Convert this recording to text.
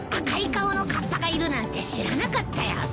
赤い顔のカッパがいるなんて知らなかったよ。